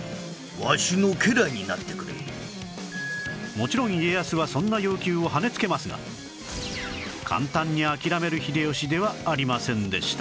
もちろん家康はそんな要求をはねつけますが簡単に諦める秀吉ではありませんでした